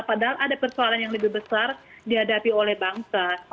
padahal ada persoalan yang lebih besar dihadapi oleh bangsa